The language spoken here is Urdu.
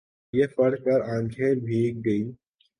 یہ پڑھ کر آنکھیں بھیگ گئیں۔